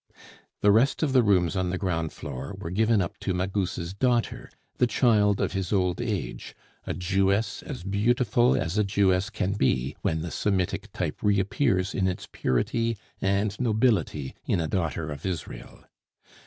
The rest of the rooms on the ground floor were given up to Magus' daughter, the child of his old age, a Jewess as beautiful as a Jewess can be when the Semitic type reappears in its purity and nobility in a daughter of Israel.